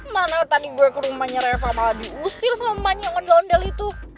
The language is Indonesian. mana tadi gue ke rumahnya reva malah diusir sama emaknya yang ngedondel itu